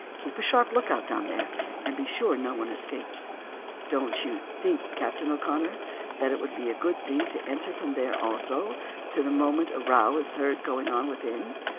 Keep a sharp look out down there, and be sure no one escapes." "Don't you think, Captain O'Connor, that it will be a good thing to enter from there also the moment a row is heard going on within.